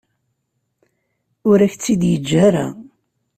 Ur ak-tt-id-yeǧǧa ara.